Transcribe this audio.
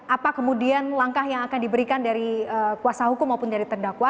apa kemudian langkah yang akan diberikan dari kuasa hukum maupun dari terdakwa